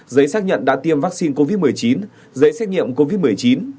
giấy xác nhận đã tiêm vaccine covid một mươi chín giấy xét nghiệm covid một mươi chín